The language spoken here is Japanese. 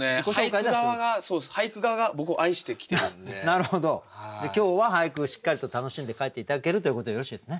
じゃあ今日は俳句をしっかりと楽しんで帰って頂けるということでよろしいですね？